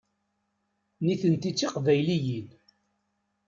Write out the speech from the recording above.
Nitenti d Tiqbayliyin.